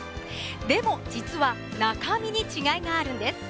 でも実は中身に違いがあるんです。